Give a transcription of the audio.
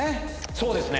そうですね。